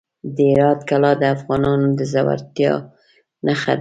د هرات کلا د افغانانو د زړورتیا نښه ده.